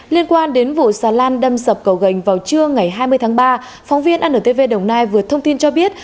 liên quan đến vụ xà lan đâm sập cầu gành vào trưa ngày hai mươi tháng ba phóng viên antv đồng nai vừa thông tin cho biết